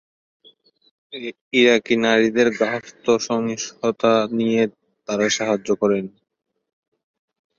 ইরাকি নারীদের গার্হস্থ্য সহিংসতা নিয়েও তারা সাহায্য করেন।